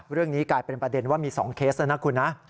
เรื่องนี้กลายเป็นประเด็นว่ามี๒เคสแล้วนะคุณนะ